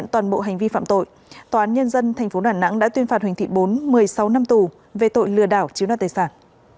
toàn bộ hành vi phạm tội tòa án nhân dân tp đà nẵng đã tuyên phạt huỳnh thị bốn một mươi sáu năm tù về tội lừa đảo chiếu đoạt tài sản